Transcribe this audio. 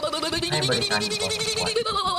ให้บริการอยู่พอสมควร